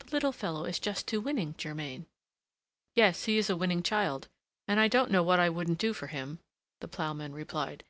The little fellow is just too winning, Germain!" "Yes, he is a winning child, and I don't know what I wouldn't do for him," the ploughman replied.